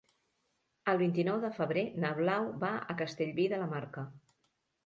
El vint-i-nou de febrer na Blau va a Castellví de la Marca.